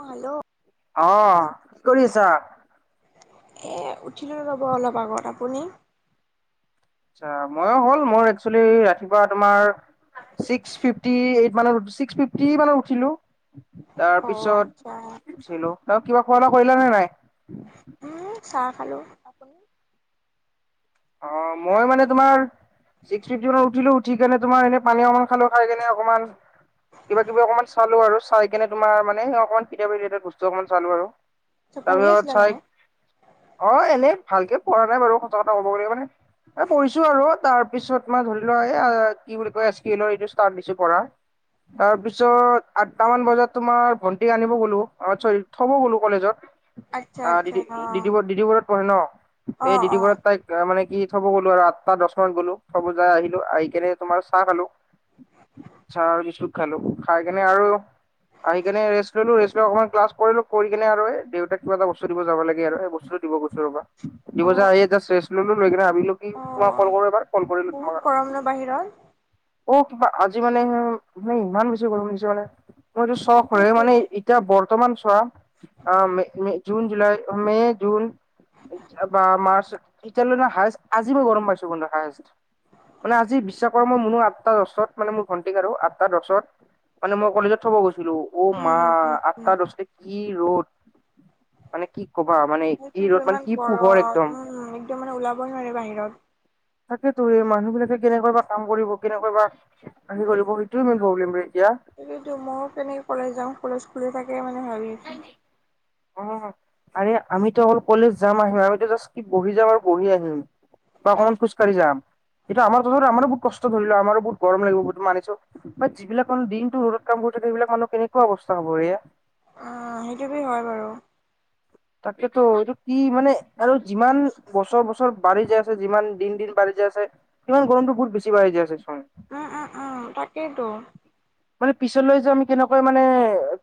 অ hello. অহ কি কৰি আছা এ উঠিল ৰ'ব অলপ আগত আপুনি আচ্ছা মইয়ো হ'ল মোৰ একচুৱেলি ৰাতিপুৱা তোমাৰ ছিক্স ফিফটি এইট মানত ছিক্স ফিফটি মানত উঠিলো তাৰ অ আচ্ছা পিছত ছিলো ত কিবা খোৱা লোৱা কৰিলা নে নাই উম চাহ খালো আপুনি অ মই মানে তোমাৰ ছিক্স ফিফটি মানত উঠিলে উঠি কিনে তোমাৰ এনে পানী অকন খালো খাই কেনে অকনমান কিবা কিবি অকমান চালো আৰু চাই কিনে তোমাৰ মানে সে অকমান কিতাপ ৰিলেটেড বস্তু অকমান চালো আৰু আচ্ছা পঢ়ি তাৰপিছত আছিলে চাই মানে অ এনে ভালকে পঢ়া নাই বাৰু সচা কথা কব গলে মানে এ পঢ়িছো আৰু তাৰ পিছত তোমাৰ ধৰি লোৱা এই কি বুলি কয় এলৰ এই ষ্টাৰ্ট দিছো পঢ়াৰ তাৰপিছত আঠটামান বজাত তোমাৰ ভন্টিক আনিব গলো অ চৰি থব গলো কলেজত আচ্ছা অ আচ্ছা ডিদিবুৰত পঢ়ে ন অ এই অ ডিদিবোৰত তাই মানে কি থব গ'লো আৰু আঠটা দহ মানত গ'লো থব যাই আহিলো আহি কেনে তোমাৰ চাহ খালো চাহ আৰু বিস্কুট খালো খাই কেনে আৰু আহি কেনে ৰেষ্ট ললো ৰেষ্ট লৈ অকমান ক্লাছ কৰিলো কৰি কিনে আৰু দেউতাক কিবা এটা বস্তু দিব যাব লাগে আৰু এ বস্তুটো দিব গৈছো ৰবা অ দিব যাই আহি যাষ্ট ৰেষ্ট ললো লৈ কিনে ভাবিলো কি অ অ তোমাক কল কৰো এবাৰ কল কৰিলো বহুত তোমাক গৰম ন বাহিৰত অ কিবা আজি মানে ইমান বেছি গৰম দিছে মানে মই এইটো চখ হয় সেইটোৱেতো মানে এতিয়া বৰ বৰ্তমান চোৱা জুন জুলাই মে জুন বা মাৰ্চ ইতিয়ালৈ ন হায়েষ্ট আজি মই গৰম পাইছো হায়েষ্ট মানে আজি বিশ্বকৰ্ম মনো আ আঠটা দছত মানে মোৰ ভণ্টিক আৰু আঠটা দহত মানে মই কলেজত থব গৈছো অ মা উম উম আ উম তাৰ ৰচতে কি ৰ'দ মানে কি কবা মানে কি সেইটোতো ৰদ মানে ইমান কি পোহৰ গৰম একদম উম একদম মানে ওলাবই নোৱাৰি বাহিৰত তাকেতো স মানুহ বিলাকে কেনেকুৱ বা কাম কৰিব কেনেকুৱা বা হি কৰিব সেইটোয়ে মেইন প্ৰব্লেম ৰে সেতোৱেটো মই কেনেকে কলেজ যাওঁ কলেজ খুলি থাকে মানে ভাবি অ আৰে আমিতো অকল কলেজ যাম আহিম আমো জাষ্ট বহি যাম আৰু বহি আহিম মই অকণমান খোজকাঢ়ি যাম সেইটো আমাৰ তত আমাৰো বহুত কষ্ট আমাৰো বহুত গৰম লাগিব সেইমানিছো বা যিবিলাক মানুহ দিনটো ৰ'দ কাম কৰি ব এইবিলাক মানুহ কেনেকুৱা অৱস্থা হ'ব এয়া। উম সেইটোতো হয় বাৰু তাকেতো এইটো কি মানে আৰু যিমান বছৰ বছৰ বাঢ়ি যাই আছে যিমান দিন দিন বাঢ়ি আছে কিমান গৰমটো বহু বেছি বাঢ়ি যায় আছে চোন। উম উম উম তাকেইতো মানে পিছলৈ য আমি কেনেকৈ মানে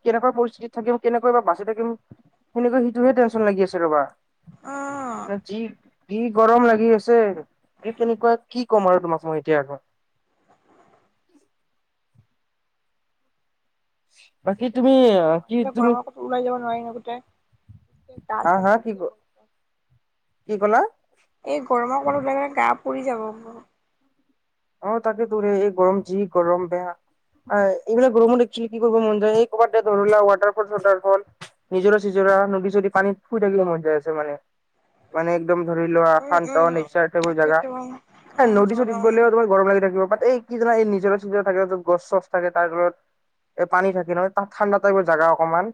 কেনেকুৱা পৰিস্থিতি থাকিম কেনেকৈ বা বাচি থাকিম সেনেকৈ সেইটোহে টেনচন লাগি আছে উম ৰ'বা যি কি গৰম লাগি আছে কি কেনেকুৱা কি ক'ম আৰু তোমাক মই এতিয়া আকৌ [inaudible] বাকী তেয় তুমি বহুত কি গৰময়া তুমি গৰমৰ কতো ওলাই যাব নোৱাৰি ন গোটেই গা হা হা কি কি চা ক'লা এই গৰমত গলে গা পৰি যাব ম অ তাকে তোৰে এই গৰম যি গৰম বেয়া এইবিলাক গ্ৰহমণ দেখছিল কি কৰিবব মন্দিৰ স এই কবাৰ ধলা ৱটাৰফল টাৰফল নিজৰ চিজৰা নদী চদি পানীত শুই থাকিব মন যাই আছে মানে মানে একদম ধৰি লোৱা উম শান্ত উম নিচাৰবোৰ জাগা তাকেতো ইমান এ নদী চদীত গৰম গ'লেও [unintelligible] লাগি থাকিব প এই কিজ এই নিজৰ চিজ থাকে যত গছ চছ থাকে তাৰ ফলত এ পানী থাকে নহয় তাত ঠাণ্ডা টাইপৰ জাগা অকমান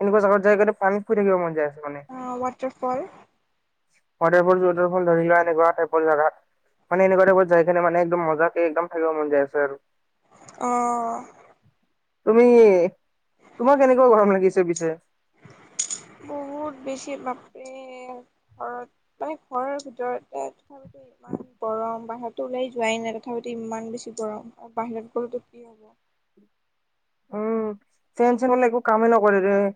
এনেকোৱা জাগাত যায় গৈ পানীত শুই থাকিব মন যায় মানে ৱাটাৰফল ৱাটাৰফল ৱাটটাৰফল ধৰি লোৱা এনেকুৱা টাইপল জাগাত মানে এনেকুৱা টাইপত যায় কেনে মানে একদম মজাকে একদম থাকিব মন যাই আছে আৰু অহ তুমি তোমাক কেনেকুৱা গৰম লাগিছে পিছে [inaudible] বহুত বেছি বাপ ঘৰত মানে ঘৰৰ ভিতৰতে থোৱাৰ ভিত ইমান গৰম বাহিৰতো উওলাই যোৱাই নাই তথাপিতো ইমান বেছি গৰম আৰু বাহিৰত গলোতো কি হ'ব [inaudible] উম ফেন চেনলে একো কামেই নকৰে দেৰে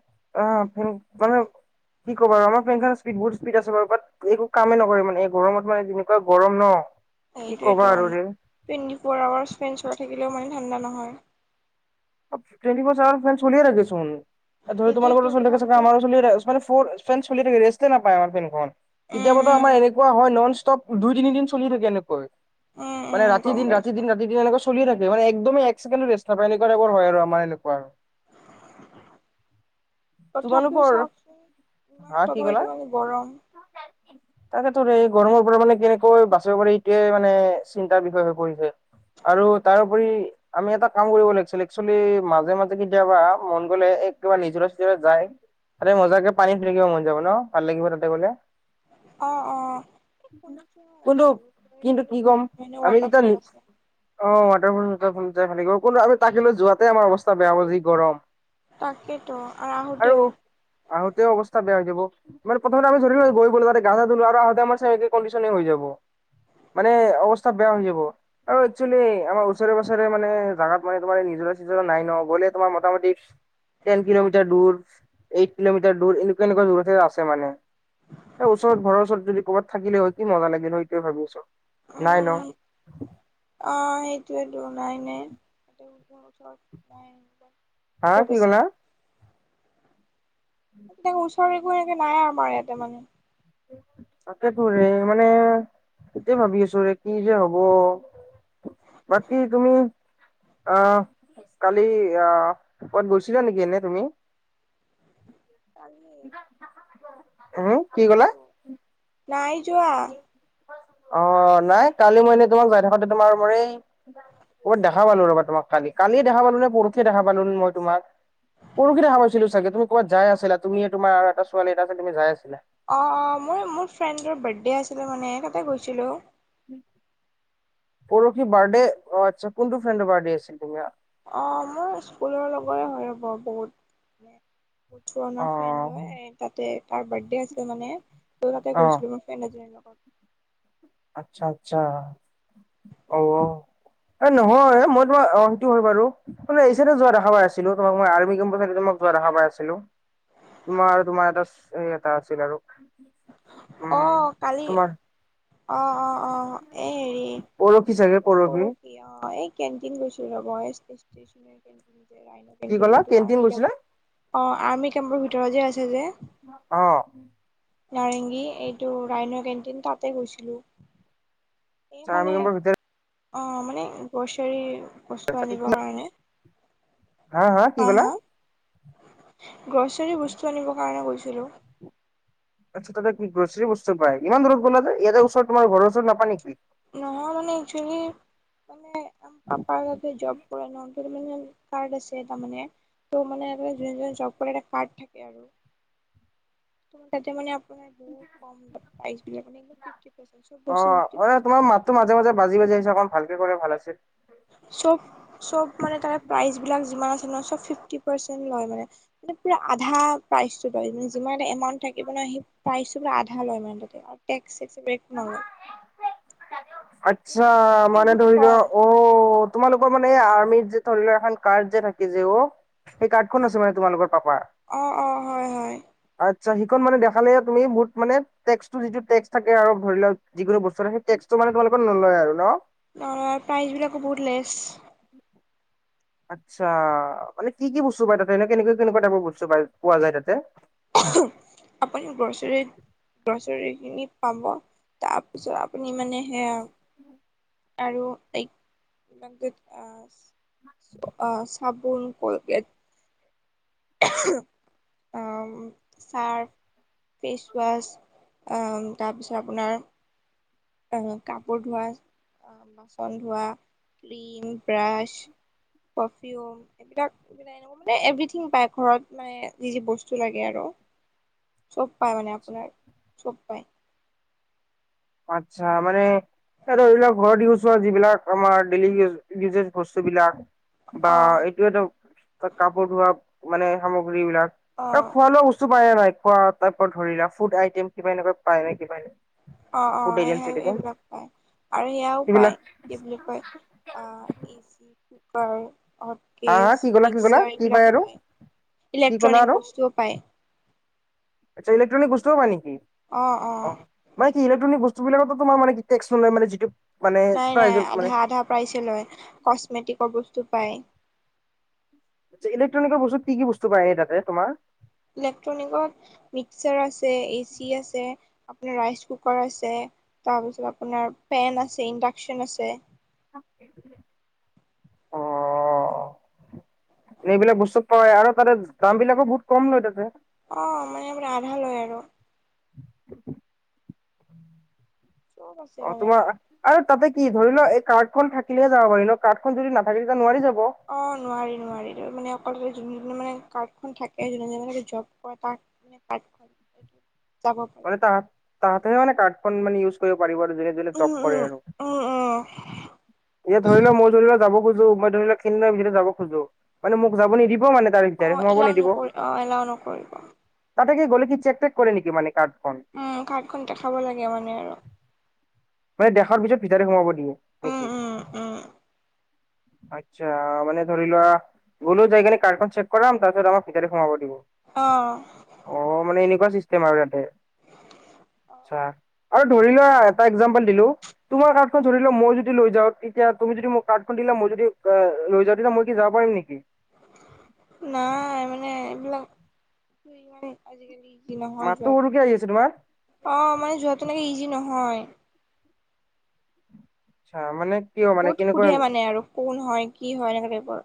অ ফেন মানে কি ক বাৰু আমাৰ ফেনখন স্পীড বহুত স্পীড আছে বাৰু বাট একো কামেই নকৰে মানে গৰমত মানে যেনেকুৱা গৰম ন কি ক'বা এইটোৱেটো আৰু ৰে টুৱেণ্টি ফ'ৰ আৱাৰছ স্পেণ্ড চলাই থাকিলেও মানে ঠাণ্ডা নহয় ফেন চলিয়ে থাকেচোন ছোন ধৰি সেইটোৱেতো তোমালোকৰ চলি থাকে তথাপিতো আমাৰো চলি থাকে ৰেষ্টে নাপায় আমাৰ ফেনখন উম কেতিয়াবাতো আমাৰ উম এনেকুৱা হয় নন ষ্টপ দুই তিনিদিন চলি থাকে এনেকৈ উম মানে উম ৰাতি গম দিন ৰাতি পাইছো দিন ৰাতি দিন এনেুৱা চলিয় থাকে মে একদম এককেণ্ড ৰেষ্ট নাপায় এ ৰ হয় আৰু আমাৰ এনেকুৱা আৰু [inaudible] তথাপিও তোমালোকৰ চাওচোন ইমান হা কি তথাপিতো ক'লা? মানে গৰম তাকেতো গৰমৰ পৰা মানে কেনেকৈ বাচিব পাৰি এইটোৱে মানে চিন্তাৰ বিষয়ে হৈ পৰিছে আৰু তাৰ উপৰি আমি এটা কাম কৰিব লাগিব একচোৱেলি মাজে মাজে কেতিয়াবা মন গলে একবাৰে নিজৰে চিজৰা যায় আৰে মজাকে পানী ফ লাকিব মন যাব ন ভাল লাগিব তাতে গলে অ অ শুনিছো কিন্তু জালুকবাৰী কিন্তু কি ক'ম বুত ম আমি যেতিয়া ৱাটাৰফল আছে অ' ৱাটাৰফুল ভালিব কোনো আমি তাক লৈ যোৱাতে আমাৰ অৱস্থা বেয়া হব যি গৰম তাকেতো [unintelligible] আৰু আহোতেও আহোঁতেও অৱস্থা বেয়া হৈ যাব। [unintelligible] মানে অৱস্থা বেয়া হৈ যাব আৰু একচুৱেলি আমাৰ ওচৰে পাছৰে মানে জাগাত মানে তোমাৰ নিজৰ চিজৰা নাই নগ'লে তোমাৰ মোটামুটি টেন কিলোমিটাৰ দূৰ এইট কিলোমিটাৰ দূৰ এনেকুৱা এনেকুৱা দূৰতে আছে মানে এ ওচৰত ঘৰ ওচৰত যদি ক'বাত থাকিল হয় কি মজা লাগিল হয় সেইটো ভাবি আছোঁ। নাই ন উম অ সেইটোয়েতো নাই নাই ওচৰত নাই হা দূৰত কি আছে ক'লা ওচৰৰে একো এনেকে নাই আমাৰ ইয়াতে মানে তাকেটো এই মানে সেইটোৱেই ভাবি আছোৰে কি যে হব বাকী তুমি আহ কালি আহ কত গৈছিলা নেকি এনে তুমি কালি উম নাই কি যোৱা কলা ক'তো নাই যোৱা অ নাই কালি মই তোমাক যাই থাকোতে তোমাৰ মোৰেই ক'বাত দেখা পালো ৰবা তোমাক কালিয়ে দেখা পালো নে পৰখি দেখা পালো ন মই তোমাক পৰখি দেখা পাইছিলো চাগে তুমি ক'বাত যাই আছিলা তুমিয়ে তোমাৰ আৰু এটা ছোৱালী আছিল তুমি যায় আছিলা অ অ মই মোৰ ফ্ৰেণ্ডৰ বাৰ্থডে আছিলে মানে ততে গৈছিলো পৰখি বাৰ্থডে অ আচা কোনটো ফ্ৰেণ্ডৰ বাৰ্থডে আছিল তোমাৰ অ মোৰ স্কুলৰ লগৰে হৈ ৰ'ব বহুত ওঠৰণ অ ফ্ৰেণ্ড হয় তাতে তাৰ বাৰ্থডে আছিল মানে ত তাতে অ গৈছিলো মোৰ ফ্ৰেণ্ড এজনীৰ লগত। আচ্ছা আচ্ছা অ এ নহয় মই তোমক অ সেইটো হয় বাৰু এইফালে যোৱা দেখা পাই আছিলো তোমাক মই আৰ্মি কেম্পৰ তোমাক পোৱা দেখা পাই আছিলো তোমাৰ আৰু তোমাৰ এটা স এটা আছিল আৰু উম অ' কালি তোমাৰ অ' অ' এই হেৰি পৰহি চাগে পৰহি অ' এই কেণ্টিন গৈছিলো ৰবই কি ক'লা কেণ্টিন গৈছিলা [unintelligible] অ' আৰ্মি কেম্পৰ ভিতৰত যে আছে যে অ' নাৰেংগী এইটো ৰাইন কেণ্টিন তাতে গৈছিলো। চাৰনম্বৰ ভিতৰত অ' মানে গ্ৰছাৰী বস্তু কি আনিবৰ কাৰণে হা হা কি ক'লা গ্ৰছাৰী বস্তু আনিবৰ কাৰণে গৈছিলোঁ। আচ্ছা তাতে কি গ্ৰছৰ বস্তু পাই ইমান দূৰত গলা যে ইয়াতে ওচৰত তোমাৰ ঘৰ ওচৰত নাপাই নেকি? নহয় মানে একচেলি [unintelligible] ত' মানে যোন জন জব কৰে কাৰ্ড থাকে আৰু ত তাতে মানে আপোনাৰ বহুত অ মানে তোমাৰ মাতটো মাজে মাজে বাজি বাজি আহিছে অকণ ভালকে [unintelligible] ভাল আছে। [inaudible] চব চব মানে তাত প্ৰাইজ বিলাক যিমান আছে নহয়। চব ফিফটি পাৰ্চেন্ট লয় মানে পুৰা আধা প্ৰাইচটো লয় মানে যিমান এটা এমাউণ্ট থাকিব নহয়। সেই প্ৰাইচটো পোৰা আধা লয় ইমানে তাতে ছেক্সচি বেক নলৌ আচ্ছা মানে ধৰি লোৱা অ' তোমালোকৰ মানে আৰ্মিত যে ধৰি লোৱা। এখন কাৰ্ড যে থাকে যে। অ' সেই কাৰ্ড খন আছে মানে তোমালোকৰ পাপাৰ অ অ হয় হয় আচ্ছা সিখন মানে দেখালে তুমি বহুত মানে টেক্স যিটো টেক্স থাকে ধৰি লও যিকোনো বস্তু থাকে টেক্স ত মানে তোমালোকক নলয় আৰু ন ন প্ৰাইজ বিলাকো বহুত লেছ আচ্ছা মানে কি কি বস্তু পায় তাতে এনে কেনেকুৱা কেনেকুৱা টাইপৰ বস্তু প পোৱা যায় তাতে ইউনিক পাব তাৰপিছত আপুনি মানে সেয়া আৰু এক ইমান আহ [inaudible] আহ চাবোন, কলগেট অ' ছাৰ্ফ ফেচৱাছ আ তাৰপিছত আপোনাৰ আহ কাপোৰ ধোৱা আহ বাচন ধোৱা ক্ৰিম ব্ৰাছ পাৰফিউম এইবিলাক এনেকুৱা মানে এভৰিথিং পায় ঘৰত মানে যি যি বস্তু লাগে আৰু চব পায় মানে আপোনাৰ চব পায়। আচ্ছা মানে এইবিলাক ঘৰত ইউজ হোৱা যিবিলাক আমাৰ ডেইলি ইজজ বস্তু বিলাক বা অ এইটোয়ে কাপোৰ ধোৱা মানে সামগ্ৰী বিলাক অ আৰু খোৱা লোৱা উসচু খোৱায়ে নাই খোৱা টাইপ ধৰিলা ফুড আইটেম কিবা এনেকুৱা পায় নে কিবা নাই অ' অ' স এইবিলাক পায় আৰু সেয়াও পায় সেইবিলাক কি বুলি কয়। অ' এ চি কুকাৰট, সত কেচ, হা হা গেছ, কি ক'লা কি ক'লা মিক্সাৰ কি এইবিলাকো আৰু পায়। কি ক'লা ইলেক্ট্ৰনিক আৰু বস্তুও পায়। আচ্ছা ইলেকট্ৰনিক বস্তুও পায় নিকি? অ' অ' ইলেক্ট্ৰনিক বস্তুবিলাকতো তোমাৰ মানে টেক্স চলে মানে যিটো মানে নাই নাই প্ৰাইজত মানে আধা আধা প্ৰাইছে লয়। কচমেটিকৰ বস্তু ডুবাই আ ইলেকট্ৰনিকৰ বস্তুত কি বস্তু পায় এই তাতে তোমাৰ ইলেক্ট্ৰনিকত মিক্সাৰ আছে এ চি আছে আপোনাৰ ৰাইচ কুকাৰ আছে তাৰপিছত আপোনাৰ পেন আছে ইণ্ডাকচন আছে [inaudible] অ এনে এইবিলাক বস্তু পাই আৰু তাতে দাম বিলাকো বহুত কম লয় তাতে অ মানে আৰ আধা লয় আৰু চব আছে অ মানে তোমাৰ আৰু তাতে কি ধৰি ল এই কাৰ্ডখন থাকিলে যাব পাৰি ন কাৰ্ড খন যদি নাথাকিলো নোৱাৰি যাব অ নোৱাৰি নোৱাৰি ত মানে অকল যোন যোনে মানে কাৰ্ডখন থাকে যোনে যোনে মানে জ্বব কৰা তাক পাট যাব তাহাতে হে মানে কাৰ্ডখন মানে ইউজ কৰিব পাৰিব আৰু যোনে যোনে জ্বব উম কৰে উম আৰু উম উম ই ধৰি লোৱা মই যেনিবা যাব মই ধৰি লক খিনদি ভিতৰত যাব খোজো মানে মোক যাব নিদিব মে তাৰ অ বি সোমাব এলাও নিদিব নকৰি অ এলাও নকৰিব ততে কি গ'লে কি চেকটেক কৰে নেকি মান ক উ কাৰ্ডখন দেখাব লাগে মানে আৰু মানে দেখাৰ পিছত ভিতৰে সোমাব দিয়ে নে উম কি উম উম [inaudible] আচ্ছা মানে ধৰি লোৱা গ'লো জাই কিনে কাৰখন চেক কৰাম তাৰপিছত আমাক ভিতৰে সোমাব দিব আহ অ মানে এনেকুৱা চিচটেম আৰু তাতে আচ্ছা আৰু ধৰি লোৱা এটা একজাম পাতিলে দিলো তোমাৰ কাৰ্ড ধৰি ল মই যদি লৈ যাও তেতিয়া তুমি যদি মোক কাৰ্ডখন দিলা মই যদি লৈ যাওঁ তেতি মই কি যাব পাৰিম নেকি নাই মানে এইবিলাক আজিকালি আজি নহয় মাতটো সৰুকে আহি আছে তোমাৰ যোৱা অ মানে যোৱাতো এনেকে ইজি নহয় আচ্ছা মানে কিয় মানে বহুত কেনেকুৱা সোধে মানে আৰু কোন হয়, কি হয়, এনেকে কয়।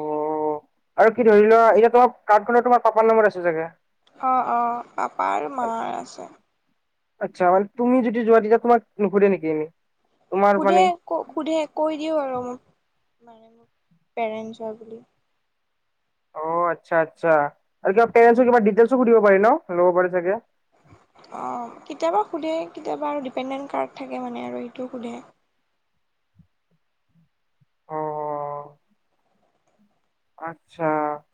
অ, আৰু কি ধৰি লোৱা এতিয়া তোমাৰ কাৰ্ডখনৰ তোমাৰ পাপাৰ নাম্বাৰ আছে চাগে? অ-অ পাপা আৰু মা আছে। আচ্ছা মানে তুমি যদি যোৱা তেতিয়া তোমাক নুহুধে নেকি? তোমাৰ মানে সোধে ক সোধে কৈ দিও আৰু মই। মানে মোক পেৰেন্সৰ বুলি। অ আচ্ছা আচ্ছা আৰু কিবা পেৰেন্সৰ কিবা ডিটেলছো সুধিব পাৰে ন ল'ব পাৰি চাগে। [unintelligible] অ কেতিয়াবা সোধে কেতিয়াবা আৰু ডিপেনডেণ্ট কাৰ্ড থাকে মানে আৰু সেইটো সোধে। [unintelligible] অ অ আত।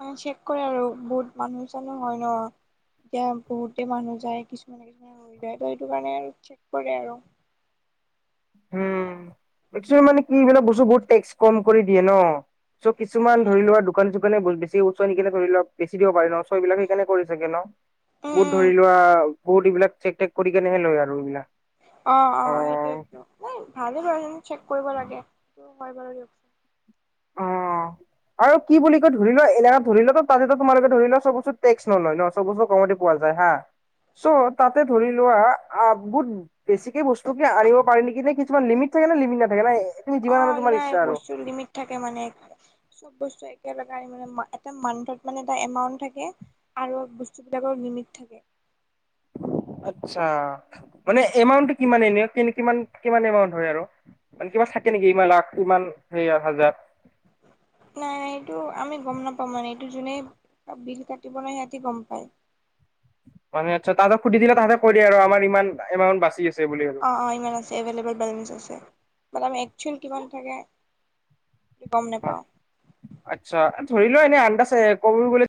অ ছেক কৰে আৰু বহুত মানুহ ছানো হয় ন। এতিয়া বহুতে মানুহ যায় কিছুমানে কিছুমানে ৰৈ যায় ত সেইটো কাৰণে আৰু চেক কৰে আৰু। [unintelligible] উম [inaudible] মানে কি এইবিলাক বস্তু বহুত টেক্স কম কৰি দিয়ে ন। চ' কিছুমান ধৰি লোৱা দোকান চোকানে বেছি বস্তু আনিকিনে ধৰি লোৱা বেছি দিব পাৰি ন ছ সেবিলাক সেইকাৰনে কৰে ছাগে ন। উম বুত উম ধৰি লোৱা বহুত এইবিলাক চেক টেক কৰি কেনেহে লয় আৰু এইবিলাক। অ অ সেইটোয়েতো ভালেই বাৰু চেক কৰিব লাগে। হয় বাৰু দিয়ক। অ'। আৰু কি ক ধৰি লোৱা এনেককা ধৰিল তাতে তোমালোকে ধৰিলোৱাব [unintelligible] টেক্স নলয় ন চব বস্তু কমতে পোৱা। [inaudible] যায় হা চ' তাতে ধৰি লোৱা আ বহুত বেছিকে বস্তু কি আনিব পাৰি নেকি নে কিছুমান লিমিট। থাকে নে লিমিত নাথাকে না এখিনি যিমান আনে অ' তোমাৰ নাই ইচ্ছা আৰু বস্তুৰ লিমিট থাকে মানে চব বস্তু একেলগে মানে এটা মান্থত মানে এটা এমাউন্ট থাকে। আৰু বস্তুবিলাকৰ লিমিট থাকে। আটচা মানে এমাউন্টটো কিমান এনে? কিমান কিমান এমাউন্ট হয় আৰু মানে কিবা থাকে নেকি ইমান লাখ ইমান হেইয় হাজাৰ। [inaudible] নাই, এইটো আমি গম নাপাও মানে। এইটো যোনেই বিল কাটিব ন সিহঁতি গম পায়। [inaudible] মানে আচ্ছা তাহাঁতক সুধি দিলে কৈ দিয়ে আৰু আমাৰ ইমান বাচি আছে। বুলি আৰু অ-অ ইমান আছে, এভেইলেবল বেলেঞ্চ আছে। বাট আমি একচুৱেল কিমান থাকে গম নাপাওঁ হয়, আচ্ছা ধৰি লোৱা এনে আন্দাছ এ। কব গলে